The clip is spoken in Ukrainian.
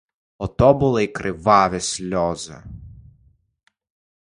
О, то були криваві сльози!